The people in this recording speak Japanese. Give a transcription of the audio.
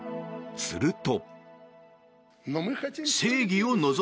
すると。